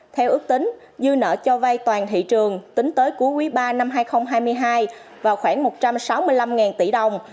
theo ước tính dư nợ cho vay toàn thị trường tính tới cuối quý ba năm hai nghìn hai mươi hai vào khoảng một trăm sáu mươi năm tỷ đồng